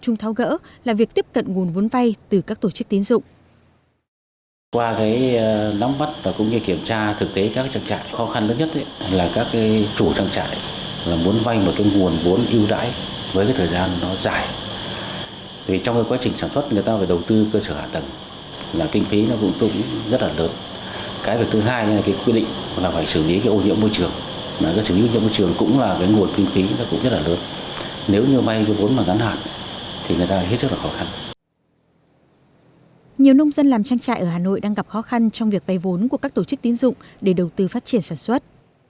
nhiều nông dân làm trang trại ở hà nội đang gặp khó khăn trong việc vây vốn của các tổ chức tín dụng để đầu tư phát triển sản xuất